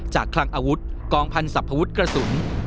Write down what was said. คลังอาวุธกองพันธ์สรรพวุฒิกระสุน